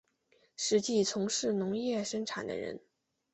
实际从事农业生产的人